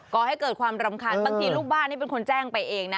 ก่อให้เกิดความรำคาญบางทีลูกบ้านนี่เป็นคนแจ้งไปเองนะ